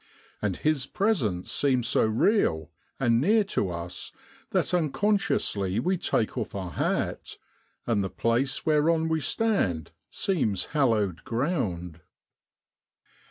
And His presence seems so real and near to us that unconsciously we take off our hat and the place whereon we stand seems hallowed ground.